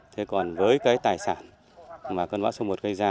thế còn với cái tài sản mà cơn bão số một gây ra